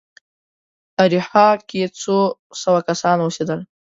اریحا کې څو سوه کسان اوسېدل.